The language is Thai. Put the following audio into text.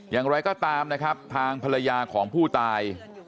อย่างไรก็ตามนะครับทางภรรยาของผู้ตาย